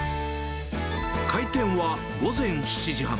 開店は午前７時半。